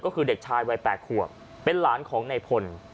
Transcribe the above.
ก็คือเด็กชายวัย๘ขวบเป็นหลานของในพล